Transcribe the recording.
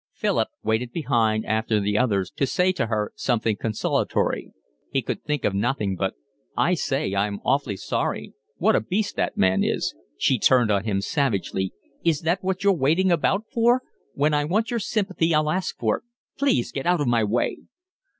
Philip waited behind after the others to say to her something consolatory. He could think of nothing but: "I say, I'm awfully sorry. What a beast that man is!" She turned on him savagely. "Is that what you're waiting about for? When I want your sympathy I'll ask for it. Please get out of my way."